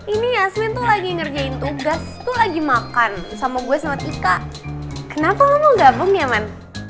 ini yasmin tuh lagi ngerjain tugas tuh lagi makan sama gue sama ika kenapa ngomong gabung ya man